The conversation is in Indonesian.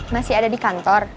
masih ada di kantor